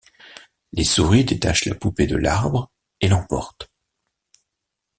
Les souris détachent la poupée de l’arbre, et l’emportent.